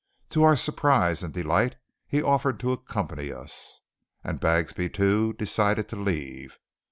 To our surprise and delight he offered to accompany us; and Bagsby, too, decided to leave.